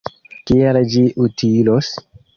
Kiel ĝi utilos?